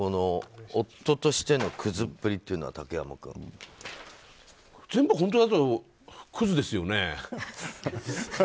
夫としてのクズっぷりというのは全部本当だとクズですよね。